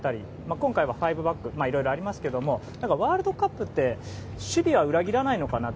今回は５バックだったりいろいろありますがワールドカップって守備は裏切らないのかなって